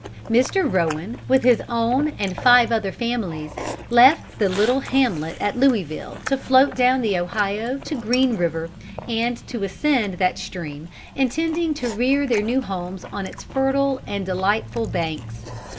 Mr. Rowan, with his own and five other families, left the little hamlet at Louisville to float down the Ohio to Green River, and to ascend that stream, intending to rear their new homes on its fertile and delightful banks.